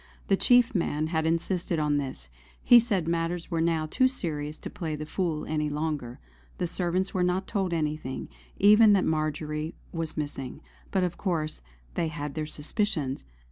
The chief man had insisted on this; he said matters were now too serious to play the fool any longer. The servants were not told anything, even that Marjory was missing; but of course they had their suspicions.